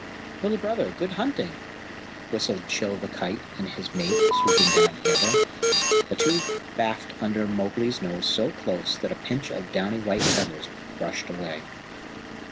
"Little Brother, good hunting!" whistled Chil the Kite and his mate, swooping down together. The two baffed under Mowgli's nose so close that a pinch of downy white feathers brushed away.